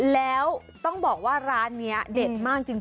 แล้วต้องบอกว่าร้านนี้เด็ดมากจริง